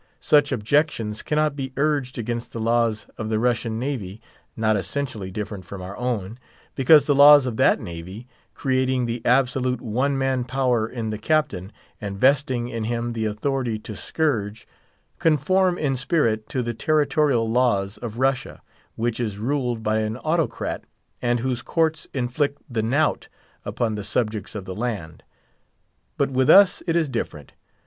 Such objections cannot be urged against the laws of the Russian navy (not essentially different from our own), because the laws of that navy, creating the absolute one man power in the Captain, and vesting in him the authority to scourge, conform in spirit to the territorial laws of Russia, which is ruled by an autocrat, and whose courts inflict the knout upon the subjects of the land. But with us it is different.